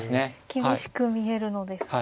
厳しく見えるのですが。